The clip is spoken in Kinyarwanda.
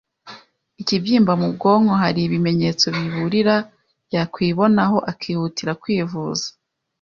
ikibyimba mu bwonko hari ibimenyetso biburira yakwibonaho akihutira kwivuza.